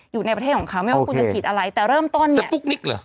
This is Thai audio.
อยู่ในประเทศของเขาไม่ว่าจะฉีดอะไรแต่เริ่มต้นเนี่ย